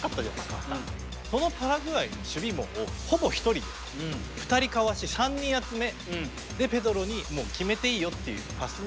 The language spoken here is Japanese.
そのパラグアイの守備網をほぼ１人で２人かわし３人集めでペドロに決めていいよっていうパス。